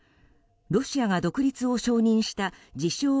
ロシアが独立を承認した自称